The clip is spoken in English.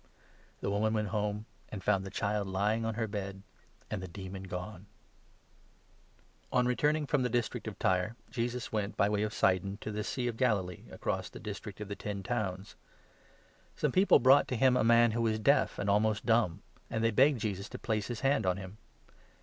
The woman went home, and found the child lying on her bed, 30 and the demon gone. Cupe On returning from the district of Tyre, Jesus 31 or a dear went, by way of Sidon, to the Sea of Galilee, across Mute. the district of the Ten Towns. Some 32 people brought to him a man who was deaf and almost dumb, and they begged Jesus to place his hand on him.